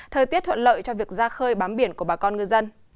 thời tiết thuận lợi cho việc ra khơi bám biển của bà con ngư dân